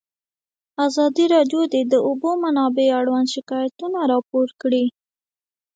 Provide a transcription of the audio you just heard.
ازادي راډیو د د اوبو منابع اړوند شکایتونه راپور کړي.